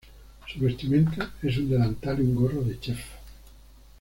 Su vestimenta es un delantal y un gorro de chef.